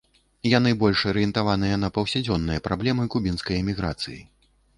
Яны больш арыентаваныя на паўсядзённыя праблемы кубінскай іміграцыі.